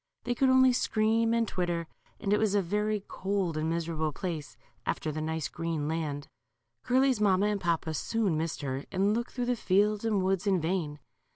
They could only scream and twitter, and it was a very cold and miserable place, after the nice green land. '. Curly's mamma and papa soon missed her, and looked through the fields and woods in vain.